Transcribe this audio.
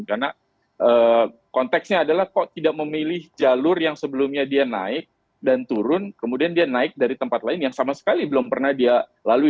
karena konteksnya adalah kok tidak memilih jalur yang sebelumnya dia naik dan turun kemudian dia naik dari tempat lain yang sama sekali belum pernah dia lalui